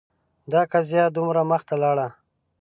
دا قضیه دومره مخته لاړه